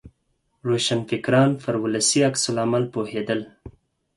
روښانفکران پر ولسي عکس العمل پوهېدل.